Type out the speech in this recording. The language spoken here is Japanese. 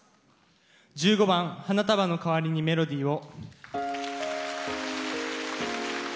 １５番「花束のかわりにメロディーを」。